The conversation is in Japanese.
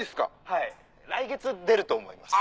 はい来月出ると思います。